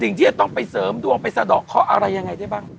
ติ่งที่จะต้องไปเสริมด่วงไปสะดอกคออะไรยังไงด้วยบ้าง